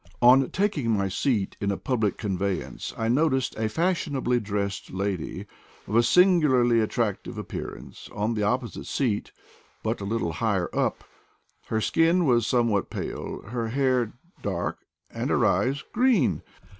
On taking my seat in a public conveyance I noticed a fashion ably dressed lady, of a singularly attractive ap pearance, on the opposite seat, but a little higher up. Her skin was somewhat pale, her hair dark, and her eyes green!